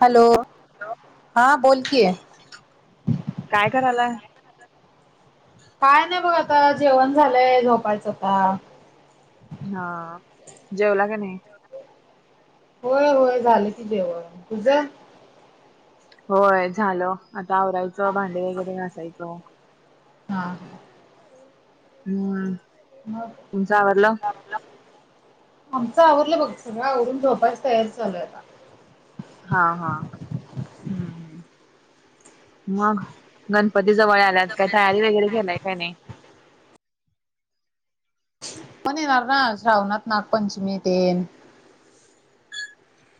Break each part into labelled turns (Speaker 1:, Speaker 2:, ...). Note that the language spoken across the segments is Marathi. Speaker 1: हॅलो हा बोल की.
Speaker 2: काय करालाय?
Speaker 1: काय नाही बघ आता जेवण झालंय झोपायचं आता.
Speaker 2: हा जेवला का नाही?
Speaker 1: होय होय झालं की जेवण. तुझ?
Speaker 2: होय झालं आता आवरायचं भांडे वगैरे घासायचं.
Speaker 1: हा.
Speaker 2: हम्.
Speaker 1: मग आमचं आवरलं बघ सगळं आवरून झोपायस तयार चालूय आता.
Speaker 2: हा हा. मग गणपती जवळ आल्यात काही तयारी वगैरे केलाय काही नाही?
Speaker 1: पण येणार ना श्रवनाथ नागपंचमीत तेन.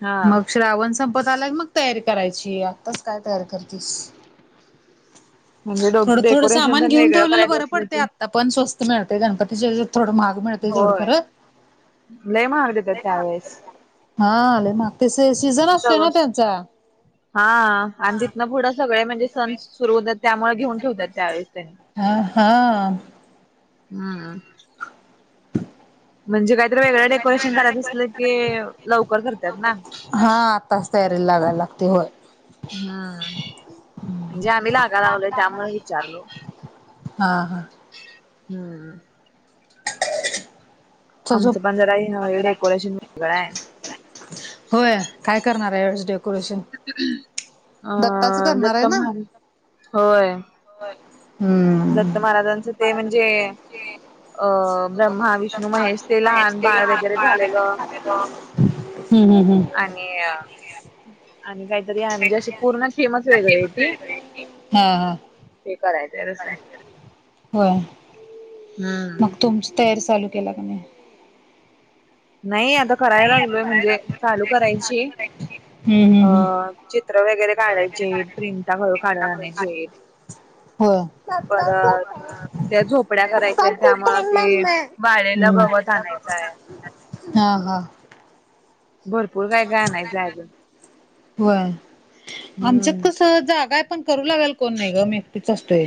Speaker 2: हा.
Speaker 1: मग श्रावण संपत आला क मग तयारी करायची आत्ताच काय तयार करतेस?
Speaker 2: म्हणजे डो
Speaker 1: थोडं थोडं
Speaker 2: डेकोरेशन
Speaker 1: सामान
Speaker 2: तेन
Speaker 1: घेऊन
Speaker 2: वेगळं
Speaker 1: ठेवलेलं
Speaker 2: करायचं
Speaker 1: बरं
Speaker 2: असलं
Speaker 1: पडते
Speaker 2: की
Speaker 1: आत्ता पण स्वस्त मिळते गणपतीच्या थोडं महाग मिळते एवढ
Speaker 2: होय.
Speaker 1: खरं.
Speaker 2: लय महाग देत त्यावेळेस.
Speaker 1: हा आले मग ते सीझन असतो
Speaker 2: सगळं
Speaker 1: ना त्यांचा.
Speaker 2: हा आणि तिथनं पुढं सगळे म्हणजे सण सुरू होतात त्यामुळे घेऊन ठेवतात त्यावेळेस त्यांनी.
Speaker 1: हा हा.
Speaker 2: हा हा. म्हणजे काहीतरी वेगळं डेकोरेशन करायच असलं की लवकर करतात ना.
Speaker 1: हा आत्ताच तयारी लागायला लागते होय.
Speaker 2: हम्म म्हणजे आम्ही लागा लावलोय त्यामुळे विचारलो.
Speaker 1: हा हा.
Speaker 2: हम्म. हा.
Speaker 1: जोप
Speaker 2: डेकोरेशन वेगळं आहे
Speaker 1: होय काय करणार आहे? डेकोरेशन दत्ताच
Speaker 2: अ
Speaker 1: करणार आहे
Speaker 2: दत्त
Speaker 1: ना.
Speaker 2: महाराज होय.
Speaker 1: बर.
Speaker 2: दत्त महाराजांचं ते म्हणजे अं ब्रह्मा विष्णू महेश ते लहान बाळ वगैरे झालेलं.
Speaker 1: हम्म हम् हम्म.
Speaker 2: आणि आणि काय म्हणजे असे पूर्ण थेमच वेगळे आहे ती
Speaker 1: हा हा
Speaker 2: ते करायचंय रते [inaudible]
Speaker 1: होय.
Speaker 2: हम.
Speaker 1: मग तुमची तयारी चालू केला की नाही?
Speaker 2: नाही आता करायला लागलोय म्हणजे चालू करायची
Speaker 1: हम्म हम्म
Speaker 2: अ
Speaker 1: हम्म
Speaker 2: चित्र वगैरे काढायचे आहेत प्रिंटा घळू काढून आणायचे आहेत.
Speaker 1: होय,
Speaker 2: परत त्या झोपड्या करायच्या आहेत त्यामुळं ते वाळलेलं गवत आणायचं आहे.
Speaker 1: [unintelligible] हा, हा,
Speaker 2: भरपूर काय, काय आणयच आहे अजून.
Speaker 1: होय, आमच्यात
Speaker 2: हम्म
Speaker 1: कस जागा आहे पण, करू लागेल कोण नाही ग, मी एकटीच असतोय.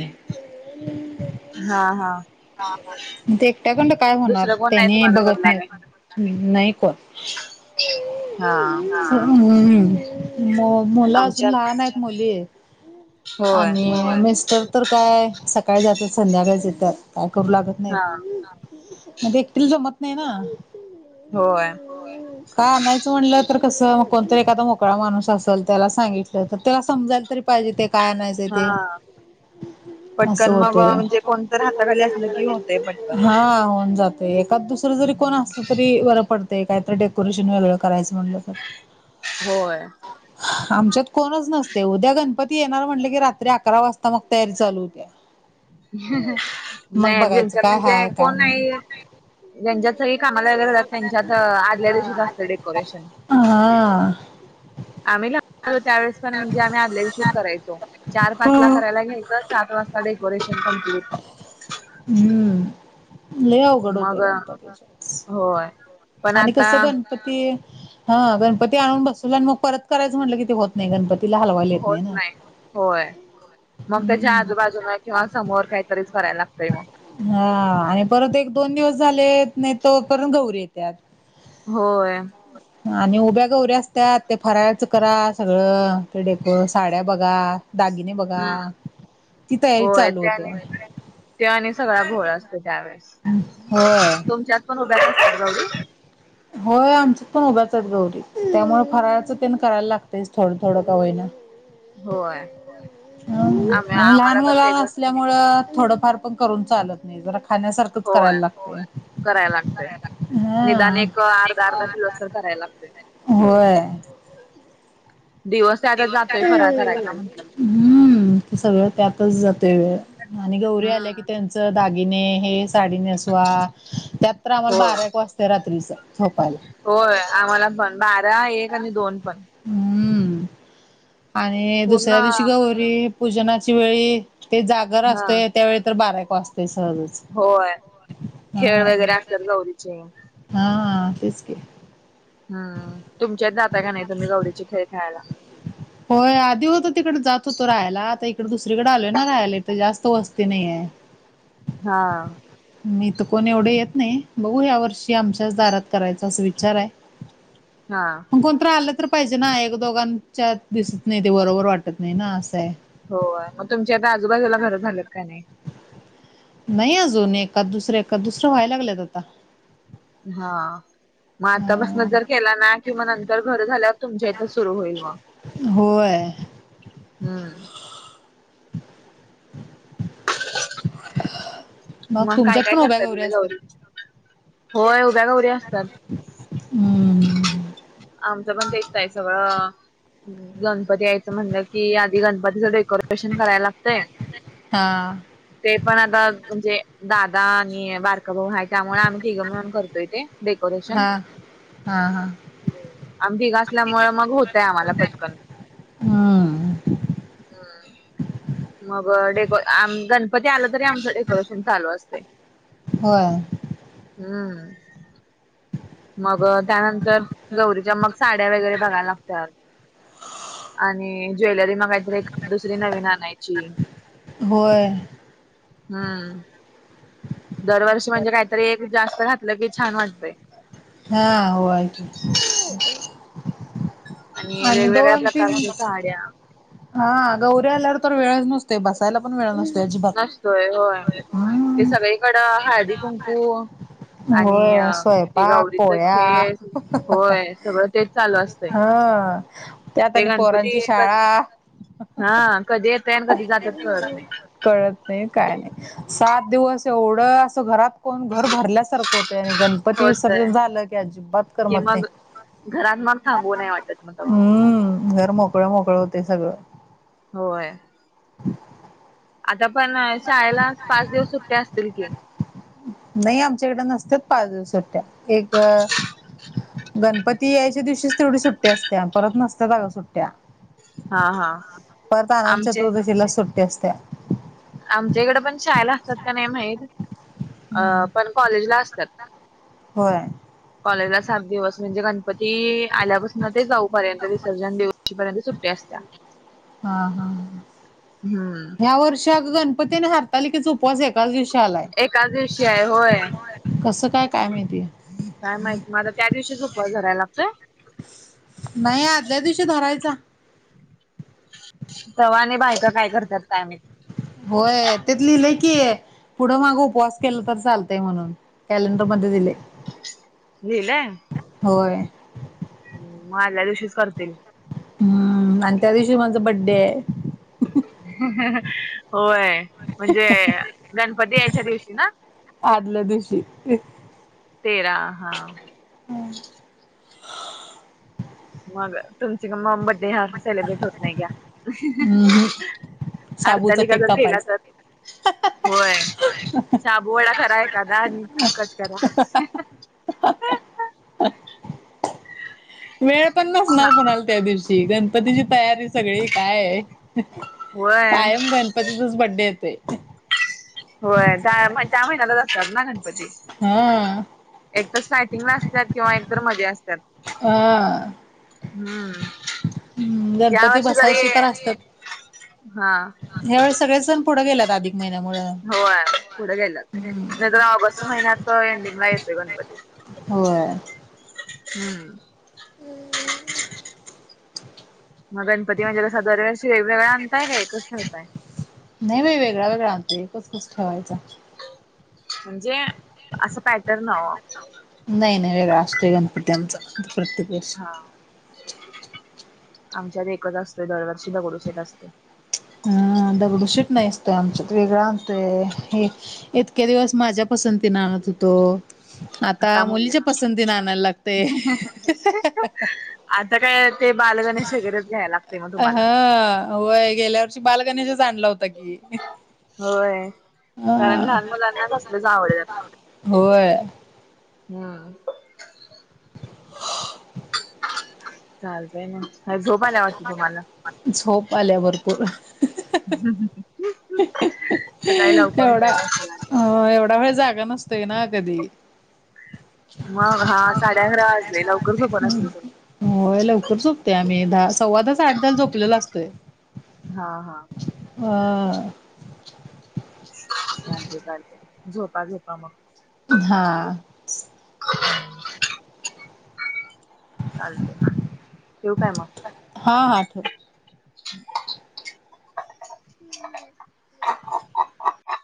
Speaker 2: हा, हा,
Speaker 1: ते एकट्या काढणं काय होणार,
Speaker 2: दुसरं कोण नाही
Speaker 1: त्यानी
Speaker 2: तुम्हाला
Speaker 1: बघत
Speaker 2: बदलाने
Speaker 1: नाही कोण,
Speaker 2: हा,
Speaker 1: हम् मुल अजून
Speaker 2: आमच्यात
Speaker 1: लहान आहेत, मुली आहे
Speaker 2: होय
Speaker 1: आणि मिस्टर तर काय, सकाळी जातात, संध्याकाळी येतात. काय करू लागत नाही,
Speaker 2: हा
Speaker 1: मग ते एकटिल जमत नाही ना,
Speaker 2: होय,
Speaker 1: का नाही, च म्हट तर कस, कोणतरी एखादा मोकळा माणूस असेल, त्याला सांगितलं तर त्याला समजा तरी पाहिजे ते, काय आणायचं
Speaker 2: हा
Speaker 1: ते, असं
Speaker 2: पटकन मग
Speaker 1: होतंय
Speaker 2: म्हणजे, कोणतर हाताखाली असलं की, होतंय पटकन.
Speaker 1: हा होऊन जाते, एकाद दुसरं जरी कोण असलं तरी, बरं पडत काहीतरी डेकोरेशन वगं करायचं म्हणलं तर,
Speaker 2: होय,
Speaker 1: आमच्यात कोणच नसतेय, उद्या गणपती. गणपती येणार म्हटले की, रात्री अकरा वाजता मग तयारी चालू होत्या.
Speaker 2: [unintelligible]
Speaker 1: मग
Speaker 2: नाही
Speaker 1: बघायचं
Speaker 2: जच्यात,
Speaker 1: काय
Speaker 2: म्हणजे
Speaker 1: हाय काय
Speaker 2: कोण नाही, ज्यांच्यात सगळी कामाला वगैरे जातत, त्यांच्यात आदल्या दिवशीच असतं डेकोरेशन.
Speaker 1: हा,
Speaker 2: आम्ही लहान होतो, त्यावेळेस पण म्हणजे आम्ही, आदल्या दिवशीच करायचो. चार पाच ला
Speaker 1: हा
Speaker 2: करायला घ्यायचं, सात वाजता डेकोरेशन कमप्लीट.
Speaker 1: हम्म, ल अवघड
Speaker 2: मग
Speaker 1: होतेय, गणपती
Speaker 2: होय. पण
Speaker 1: आणि
Speaker 2: आता
Speaker 1: कस गणपती, हा गणपती आणून बसलला, आणि मग परत करायचं म्हटलं कि ते होत नाही गणपती
Speaker 2: होत नाही, होय. मग त्याच्या
Speaker 1: हम्म
Speaker 2: आजूबाजून, किंवा समोर काहीतरीच करायला लागतंय मग,
Speaker 1: हा आणि परत एक, दोन, दिवस तेन झाले नाही तंवर परंत गौरी येत्या.
Speaker 2: होय,
Speaker 1: आणि उभ्या गौऱ्या असत्याात, ते फरायचं करा सगळं, ते डेको साड्या बघा, दागिने बघा,
Speaker 2: हम्म
Speaker 1: ती तयारी
Speaker 2: होय
Speaker 1: चालू
Speaker 2: ते आणि
Speaker 1: होतेया.
Speaker 2: ते आणि सगळा्या घोळ असतो, त्यावेेळेस
Speaker 1: होय.
Speaker 2: तुमच्यात पण उभ्या असतात गवरी?
Speaker 1: होय, आमचं आमच्या त पण उभ्याच आहेतगौरी, त्यामुळे फराारचं तेन करायला लागतच, थोडं, थोडं का विहिना,
Speaker 2: होय. आम्ही
Speaker 1: आणि, लहान
Speaker 2: आम्हाला पण
Speaker 1: मुला
Speaker 2: तेच असतंय
Speaker 1: असल्यामुळं, थोडंफार पण करून चालत नाही, जरा खाण्यासारखंच
Speaker 2: होय
Speaker 1: करायला लागत
Speaker 2: करायला लागतंय.
Speaker 1: य,
Speaker 2: निदान एक, अर्धा, अर्धा किलो च तरी करायला लागतय,
Speaker 1: होय,
Speaker 2: दिवस यातच जातोय, फराळ करायचा म्हटलं की,
Speaker 1: हम्म, ते सगळं त्यातच जाते वेळ, आणि गौरी आल्या की
Speaker 2: हम्म
Speaker 1: त्यां तेच दागिने हे, साडी नेसवा, त्यात तर आम्हाला
Speaker 2: होय
Speaker 1: बारा, एक वाजते, रात्रीच झोपायला.
Speaker 2: होय, आम्हाला पण, बारा, एक, आणि दोन पण.
Speaker 1: हम्म, आणि
Speaker 2: पूर्ण
Speaker 1: दुसऱ्या दिवशी, गौरी पूजनाची वेळी, ते जागर
Speaker 2: हा
Speaker 1: असतय, त्यावेळी तर बाराक वाजतोय सहजच.
Speaker 2: होय, खेळ वगैरे असतात गौरीचे.
Speaker 1: हा हा, तेच की.
Speaker 2: हम्म, तुमच्यात जाता का नाही तुम्ही गौरीचे खेळ खेळायला?
Speaker 1: होय, आधी होतो तिकड जात होतो राहायला, आता इकडे दुसरीकडे आलोय ना, राहायला इथं जास्त वस्ती ती नाहीयं.
Speaker 2: हा.
Speaker 1: म इथं कोण एवढे येत नाही, बघू ह्या वर्षी आमच्याच दारात करायचा असं विचार आहे.
Speaker 2: हा.
Speaker 1: कोणत आलं तर पाहिजे ना, एक दोघांच्या दिसत नाही ते बरोबर वाटत नाही ना असंय.
Speaker 2: हो, मग तुमच्या आता आजूबाजूला घरं झालेत की नाही?
Speaker 1: नाही अजून एखाद दुसरं, एखाद दुसरं व्हायला लागलेत आता.
Speaker 2: हा, मग आता पसन
Speaker 1: हा
Speaker 2: जर केला ना, कि म नंतर घर झाल्याव तुमच्या इथं सुरू होईल मग
Speaker 1: होय.
Speaker 2: हम्म,
Speaker 1: मग
Speaker 2: काय
Speaker 1: तुमच्यात
Speaker 2: काय
Speaker 1: पण उभ्या
Speaker 2: करताय
Speaker 1: गौऱ्या
Speaker 2: तुम्ही
Speaker 1: असतात?
Speaker 2: गौरी होय, उभ्या गौरी असतात.
Speaker 1: हम्म,
Speaker 2: आमचं पण तेच आहे, सगळं गणपती यायचं म्हणलं की आधी गणपतीच डेको डेकोरेशन कराय लागतय.
Speaker 1: हा
Speaker 2: ते पण आता म्हणजे दादा आणि बारका भाऊ आहे, त्यामुळे आम्ही तिघ मिळून करतोय तेे डेकोरेशन.
Speaker 1: हा. हा हा.
Speaker 2: आम्ही तिघ असल्यामुळे मग होतय, आम्हाला पटकन.
Speaker 1: हम्म
Speaker 2: हम्म, मग डेको गणपती आला तरी, आमचं डेकोरेशन चालू असतय.
Speaker 1: होय.
Speaker 2: हम्म, मग त्यानंतर गौरीच्या मग, साड्या वगैरे बघाय लागतात. आणि ज्वेलरी मग काहीतरी दुसरी नवीन आणायची.
Speaker 1: होय.
Speaker 2: हम. दरवर्षी म्हणजे काहीतरी एक जास्त घातलं की छान वाटतेय.
Speaker 1: हा होय, आहे की.
Speaker 2: आणि वेगवेगळ्या
Speaker 1: दोन तीन
Speaker 2: प्रकारच्या साड्या.
Speaker 1: हा गौरी आल्यावर तर वेळच नसतोय बसाय. बसायला पण वेळ नसतोय अजिबात.
Speaker 2: नसतोय होय. होय. आणि
Speaker 1: होय
Speaker 2: ते
Speaker 1: स्वयंपाक
Speaker 2: गौरीच
Speaker 1: पोळ्या
Speaker 2: खेळ होय, सगळं तेच चालू असतय.
Speaker 1: हा त्यात आणि पोरांची शाळा.
Speaker 2: हा कधी येतय, कधी जातात कळत नाही.
Speaker 1: कळत नाही, काय नाही सात दिवस एवढं असं घरात कोण घर भरल्या सारख होतेय आणि गणपती
Speaker 2: होतय
Speaker 1: विसर्जन झालं की, अजिबात
Speaker 2: कि
Speaker 1: करमत नाही.
Speaker 2: मग घरात मग थांबू नाही वाटत मग तव्हा.
Speaker 1: हम्म घर मोकळं मोकळं होतय सगळ.
Speaker 2: होय. आता पण शाळेला पाच दिवस सुट्ट्या असतील की.
Speaker 1: नाही, आमच्या कडे नसत्यात पाच दिव सुट्ट्या एक गणपती यायच्या दिवशीच तेवढी सुट्टी असत्या, परत नसत्यात अगं सुट्ट्या.
Speaker 2: हा हा
Speaker 1: परत अनंत
Speaker 2: आमचे
Speaker 1: चतुर्थीला सुट्टी असत्या.
Speaker 2: आमच्या कडे पण शाळेला असतात का नाही माहीत, अ
Speaker 1: हम्म
Speaker 2: पण कॉलेजला असतात.
Speaker 1: होय
Speaker 2: कॉलेजला सात दिवस म्हणजे गणपती आल्यापासून ते जाऊपर्यंत विसर्जन दिवशीपर्यंत सुट्टी असत
Speaker 1: हा हां हां
Speaker 2: हम्म
Speaker 1: ह्या वर्ष अगण प त्याने हरताली की च उपवास एकाच दिवशी आलाय
Speaker 2: एकाच दिवशी आहे होय
Speaker 1: कसं काय काय माहिती
Speaker 2: काय माहिती मझला त्या दिवशीच उपयस घराय लागतोय
Speaker 1: नाही आदल्या दिवशी धरायचा
Speaker 2: तवा आणि बायका काय करतात कायम
Speaker 1: होय तेतली लैकी ये पुढं माग उपवास केला तर चालतय म्हणून कॅलेंडर मध्ये दिले
Speaker 2: लला
Speaker 1: होय
Speaker 2: ह म आल्या दिवशीच करतील
Speaker 1: हम्म आणि त्या दिवशी माझ बड्डे आहे
Speaker 2: होय म्हणजे गणपती यायच्या दिवशी ना
Speaker 1: आदल्या दिवशी
Speaker 2: तेरा हा मग तुमच म बड्डे हा अस सेलिब्रेट होत नाही ग्या
Speaker 1: हम्म हम्म शाबूचा
Speaker 2: हारतालिका
Speaker 1: केक
Speaker 2: जर केला तर
Speaker 1: कापायचा
Speaker 2: होय साबूवाडा खरा आहे कादा आणि कट करा
Speaker 1: ह वेळ पण
Speaker 2: शा
Speaker 1: नसणार कणाला त्या दिवशी गणपतीची तयारी सगळी काय
Speaker 2: होय
Speaker 1: कायम गणपतीचाच बड्डे येतय
Speaker 2: होय त्या त्या महिन्यालाच असतात ना गणपती
Speaker 1: हा
Speaker 2: एक तरर फयटिंग ला असतात किंवा एकतर मज असतात
Speaker 1: हा
Speaker 2: हम्म
Speaker 1: हम्म
Speaker 2: या
Speaker 1: गणपती
Speaker 2: वर्षी जरी
Speaker 1: बसायचे
Speaker 2: हा
Speaker 1: ह्या वेळे सगळे सण पुढे गेलेत अधिक महिन्यामुळ
Speaker 2: होय पुढे गेयला नाही तरर ऑगस्ट महिन्यात एंडिंगला येतोय गणपती
Speaker 1: होय
Speaker 2: हम्म
Speaker 1: हम्म
Speaker 2: मग गणपती म्हणजे कससा दरव्यार्षी वेगवेगळळा आणताय काय कसं होतय
Speaker 1: नाही बाई वेगळा वेगळा आणतो एकस कच ठेवायचा
Speaker 2: म्हणजे असं पॅटर्न
Speaker 1: नाही नाही वेगळा असतोय गणपती आमचा प्रत्येक वर्ष
Speaker 2: हा आमच्यात एकत असते दरवर्षी दगडू शेत असते
Speaker 1: हम दगडूशीट नाही असतय आमच्यात वेगळं आणतोय हे इतके दिवस माझ्या पसंतीने आणत होतो आता मुलीच्या पसंतीने आणायला लागते
Speaker 2: आता काय ते बालगण शगरच घ्यायला लागते मग
Speaker 1: अ ह
Speaker 2: तुम्हाला
Speaker 1: होय गेल्या वर्षी बालगणेशच आणला होता की
Speaker 2: होय
Speaker 1: हा
Speaker 2: कारण लहान मुलांनाच असल्याच आवड
Speaker 1: होय
Speaker 2: हो
Speaker 1: ह
Speaker 2: चालतय ना काय झोप आल्या वाटत तुम्हाला
Speaker 1: झोप आल्या भरपूर
Speaker 2: [unintelligible] लवकर
Speaker 1: एवढा
Speaker 2: उठायचं असेल आणि
Speaker 1: अ एवढा वेळ जागा नसतोय ना कधी?
Speaker 2: मग हा साडे अकरा वाजले, लवकर झोपत असेल तुम्ही?
Speaker 1: होय, लवकर झोपतोय आम्ही, दहा सव्वादहा साडेदहा ला झोपलेलो असतोय.
Speaker 2: हा हा.
Speaker 1: हा.
Speaker 2: चालतयं चालतयं झोपा झोपा मग.
Speaker 1: हा.
Speaker 2: चालतयं ठेवू काय मग?
Speaker 1: हा हा, ठेव.